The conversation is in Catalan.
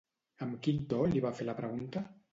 Amb quin to li va fer la pregunta?